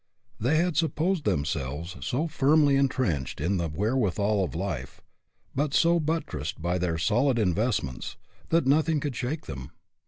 They had supposed themselves so firmly intrenched in the wherewithal of life, so but tressed by their " solid " investments, that nothing could shake them.